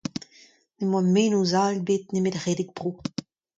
N'em boa mennozh all ebet nemet redek bro.